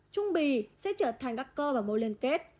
trung bị sẽ trở thành các cơ và mô liên kết